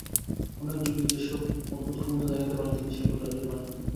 অনেক যোগী যে-সব অদ্ভুত ক্ষমতা দেখাইতে পারেন, তিনি সেগুলি গ্রাহ্য করেন না।